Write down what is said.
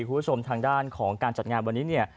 คุณผู้ชมทางด้านของการจัดงานวันนี้เนี่ย